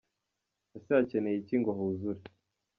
Ese hakeneye iki ngo huzure?